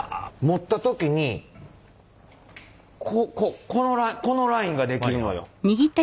持った時にこのラインが出来るのよ。